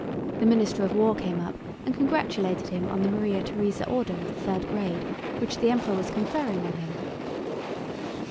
The Minister of War came up and congratulated him on the Maria Theresa Order of the third grade, which the Emperor was conferring on him.